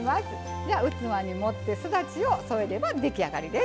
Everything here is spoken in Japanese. じゃ器に盛ってすだちを添えれば出来上がりです。